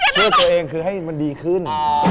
เพื่อตัวเองคือให้มันดีขึ้น